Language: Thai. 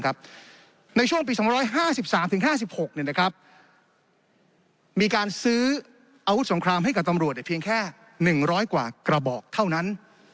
ในช่วงปี๒๕๓๕๖มีการซื้ออาวุธสงครามให้กับตำรวจเพียงแค่๑๐๐กว่ากระบอกเท่านั้น